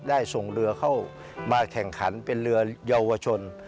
ส่งเรือเข้ามาแข่งขันเป็นเรือเยาวชน